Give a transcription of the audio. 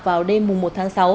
vào đêm một tháng sáu